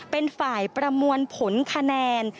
เป็นฝ่ายประมวลผลคะแนน